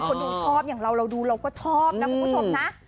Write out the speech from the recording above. คนดูชอบเราดูเราก็ชอบนะปุ๊ปกุ๊ชมนะ